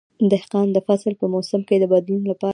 دهقان د فصل په موسم کې د بدلون لپاره تیار وي.